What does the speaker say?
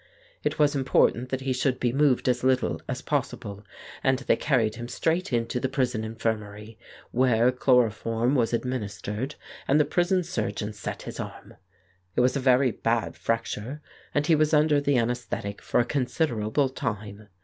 It was important that he should be moved as little as possible, and they carried him straight into the prison infirmary, where chloroform was administered and the prison surgeon set his arm. It was a very bad fracture, and he was under the anaesthetic for a considerable time.